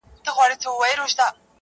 ما ویل زه به ستا ښایستې سینې ته-